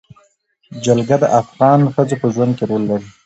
جلګه د افغان ښځو په ژوند کې رول لري.